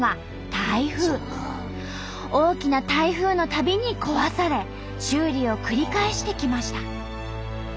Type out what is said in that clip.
大きな台風のたびに壊され修理を繰り返してきました。